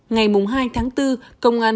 ngày hai tháng bốn công an huyện đông dương